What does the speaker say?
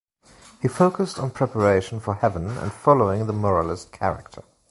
He focused on preparation for heaven and following the moralist character.